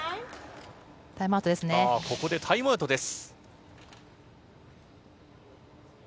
ここでタイムアウトです。